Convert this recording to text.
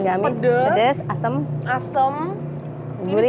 enggak amis pedas asem gurih